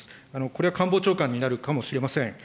これは官房長官になるかもしれません。